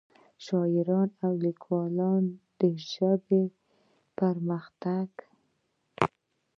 شاعران او ليکوال دَ ژبې پۀ پرمخ تګ